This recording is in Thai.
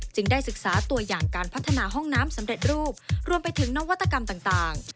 ได้ศึกษาตัวอย่างการพัฒนาห้องน้ำสำเร็จรูปรวมไปถึงนวัตกรรมต่าง